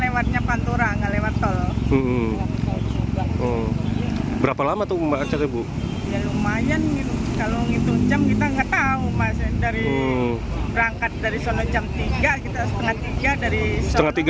wuh nyampe nya pagi begini